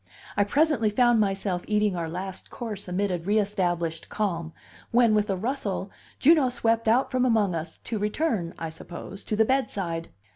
I presently found myself eating our last course amid a reestablished calm, when, with a rustle, Juno swept out from among us, to return (I suppose) to the bedside.